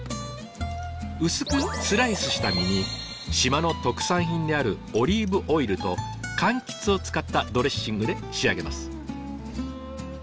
薄くスライスした身に島の特産品であるオリーブオイルと柑橘を使ったドレッシングで仕上げます。